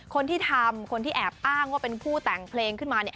คนที่ทำคนที่แอบอ้างว่าเป็นผู้แต่งเพลงขึ้นมาเนี่ย